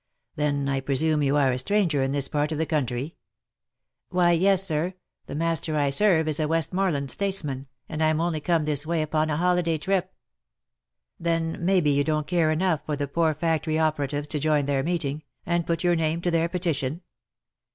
Then I presume you are a stranger in this part of the country ?"" Why, yes, sir ; the master I serve is a Westmorland statesman, and I am only come this way upon a holiday trip." " Then maybe you don't care enough for the poor factory opera tives to join their meeting, and put your name to their petition?"